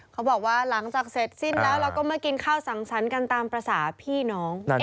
เขาบอกว่าหลังจากเสร็จสิ้นแล้วเราก็มากินข้าวสังสรรค์กันตามภาษาพี่น้อง